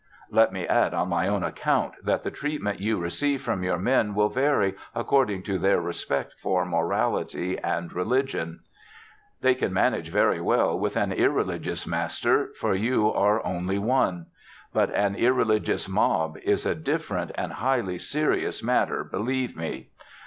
_" "Let me add, on my own account, that the treatment you receive from your men will vary according to their respect for morality and religion. "They could manage very well with an irreligious master, for you are only one. But an irreligious mob is a different and highly serious matter, believe me.